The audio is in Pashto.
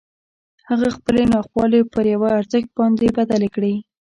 هغه خپلې ناخوالې پر یوه ارزښت باندې بدلې کړې